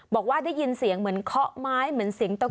บอกว่าได้ยินเสียงเหมือนเคาะไม้เหมือนเสียงตะคอ